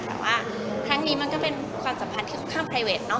แต่ว่าครั้งนี้มันก็เป็นความสัมพันธ์ที่ค่อนข้างไพรเวทเนอ